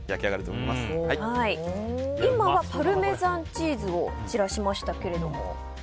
今はパルメザンチーズを散らしましたけども。